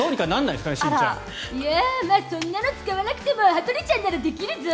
いやーそんなの使わなくても羽鳥ちゃんならできるゾ。